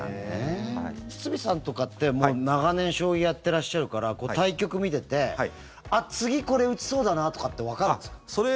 堤さんとかって長年、将棋やってらっしゃるから対局見てて次これ打ちそうだなとかってわかるんですか？